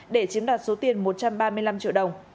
để chiếm đoạt số tiền một trăm ba mươi năm triệu đồng